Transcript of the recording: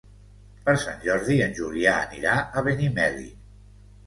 Per Sant Jordi en Julià anirà a Benimeli.